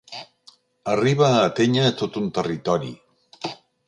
Arriba a atènyer tot un territori.